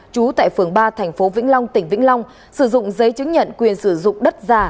trú tại phường ba thành phố vĩnh long tỉnh vĩnh long sử dụng giấy chứng nhận quyền sử dụng đất giả